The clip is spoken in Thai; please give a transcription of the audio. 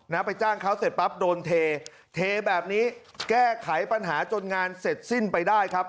ไปจ้างเขาเสร็จปั๊บโดนเทเทแบบนี้แก้ไขปัญหาจนงานเสร็จสิ้นไปได้ครับ